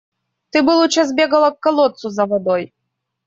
Ты бы лучше сбегала к колодцу за водой.